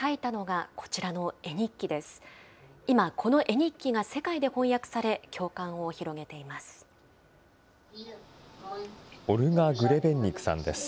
今、この絵日記が世界で翻訳され、共感を広げています。